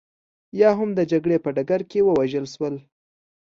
یا هم د جګړې په ډګر کې ووژل شول